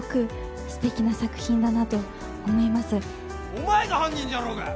「お前が犯人じゃろうが！」